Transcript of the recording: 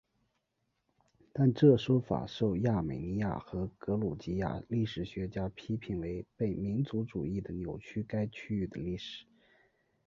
但这说法受亚美尼亚和格鲁吉亚历史学家批评为被民族主义的扭曲该区域的历史。